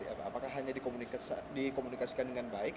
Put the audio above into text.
apakah hanya dikomunikasikan dengan baik